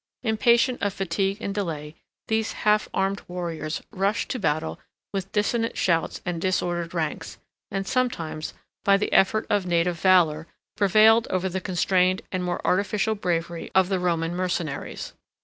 Impatient of fatigue and delay, these half armed warriors rushed to battle with dissonant shouts and disordered ranks; and sometimes, by the effort of native valor, prevailed over the constrained and more artificial bravery of the Roman mercenaries.